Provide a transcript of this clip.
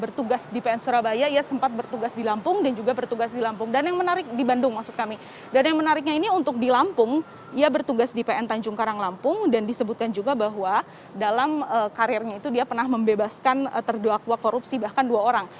pertugas di pn surabaya ya sempat bertugas di lampung dan juga bertugas di lampung dan yang menarik di bandung maksud kami dan yang menariknya ini untuk di lampung ya bertugas di pn tanjung karang lampung dan disebutkan juga bahwa dalam karirnya itu dia pernah membebaskan terdua korupsi bahkan dua orang